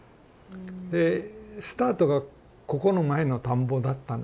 でスタートがここの前の田んぼだったんですよ。